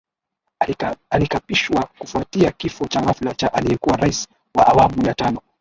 Alikapishwa kufuatia kifo cha ghafla cha aliyekuwa Rais wa awamu ya tano